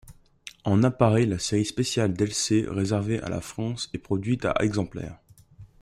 En apparaît la série spéciale Delsey réservée à la France et produite à exemplaires.